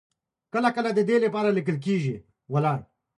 کله کله د دې لپاره لیکل کیږي `